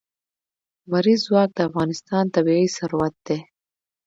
لمریز ځواک د افغانستان طبعي ثروت دی.